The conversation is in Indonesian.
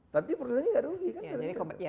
tapi petani gak rugi